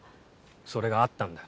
それがあったんだ。